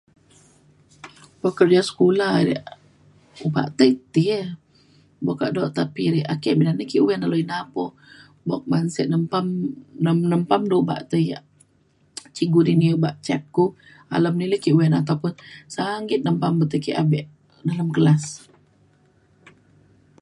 pekaliu sekula yak obak ti ti e buk kado tapi ri ake be na ki uyan dalau ina po buk man sek nempam nem- nempam du obak te yak cikgu dini obak check ku alem ni li le ku sanggit nempam te ke abe dalem kelas